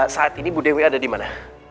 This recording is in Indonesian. saat ini bu dewi ada di mana